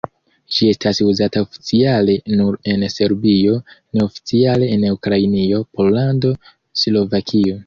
Ĝi estas uzata oficiale nur en Serbio, neoficiale en Ukrainio, Pollando, Slovakio.